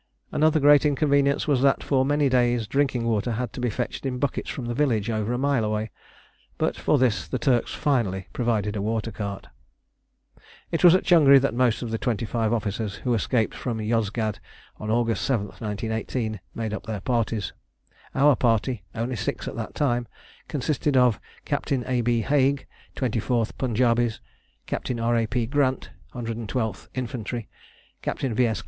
Another great inconvenience was that for many days drinking water had to be fetched in buckets from the village over a mile away; but for this the Turks finally provided a water cart. It was at Changri that most of the twenty five officers who escaped from Yozgad on August 7, 1918, made up their parties. Our party, only six at that time, consisted of Captain A. B. Haig, 24th Punjabis; Captain R. A. P. Grant, 112th Infantry; Captain V. S.